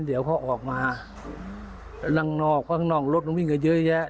เดี๋ยวเขาออกมาข้างนอกเพราะข้างนอกรถมันวิ่งกันเยอะแยะ